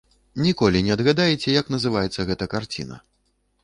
Ніколі не адгадаеце, як называецца гэта карціна.